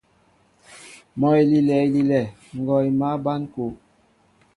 Mɔ elilɛ elilɛ, ngɔɔ émal ɓăn kúw.